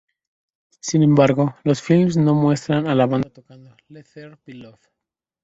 Sin embargo, los filmes no muestran a la banda tocando "Let There Be Love".